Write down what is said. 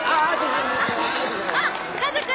あっ和君！